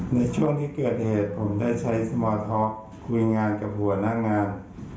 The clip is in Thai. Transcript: ในช่วงที่เกิดเหตุผมได้ใช้สมอร์ท็อกคุยงานกับหัวหน้างาน